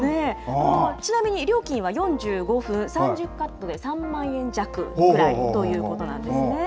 ちなみに料金は４５分３０カットで３万円弱くらいということなんですね。